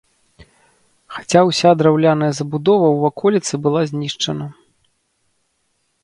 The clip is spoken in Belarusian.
Хаця ўся драўляная забудова ў ваколіцы была знішчана.